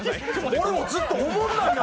俺もずっとおもんないな！